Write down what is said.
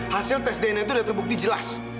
hasil tes dna itu sudah terbukti jelas